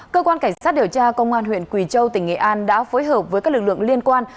cơ quan cảnh sát điều tra công an huyện quỳ châu tỉnh nghệ an đã phối hợp với các lực lượng liên quan